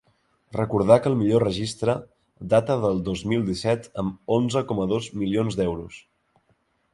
Recordar que el millor registre data del dos mil disset amb onze coma dos milions d’euros.